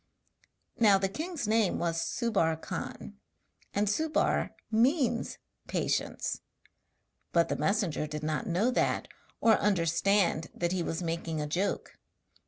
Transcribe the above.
Now the king's name was Subbar Khan, and Subbar means 'patience'; but the messenger did not know that, or understand that he was making a joke.